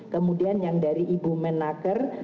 kemudian yang dari ibu menaker